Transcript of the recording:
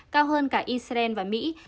cao hơn cả israel và mỹ